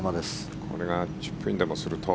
これがチップインでもすると。